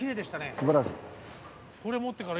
すばらしい！